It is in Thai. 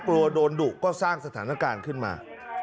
กลัวโดนดุก็สร้างสถานการณ์ขึ้นมา